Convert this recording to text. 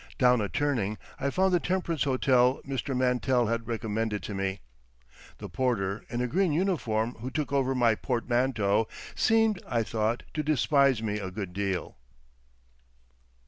Down a turning I found the Temperance Hotel Mr. Mantell had recommended to me. The porter in a green uniform who took over my portmanteau, seemed, I thought, to despise me a good deal.